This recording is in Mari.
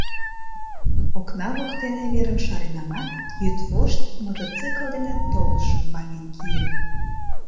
Окна воктене верым шаренамат, йӱдвошт мотоцикл дене толшым ваҥен кием.